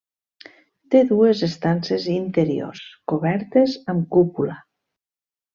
Té dues estances interiors, cobertes amb cúpula.